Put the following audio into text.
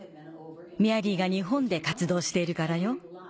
メアリーが日本で活動しているからよ。